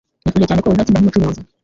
Nifuje cyane ko uzatsinda nkumucuruzi.